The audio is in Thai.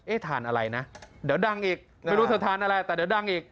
ทานอะไรนะเดี๋ยวดังอีกไม่รู้เธอทานอะไรแต่เดี๋ยวดังอีก